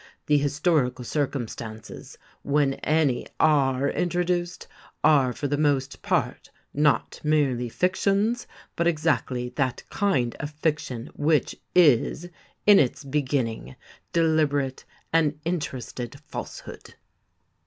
The historical circumstances, when any are introduced, are for the most part not merely fictions, but exactly that kind of fiction which is, in its beginning, deliberate and interested falsehood."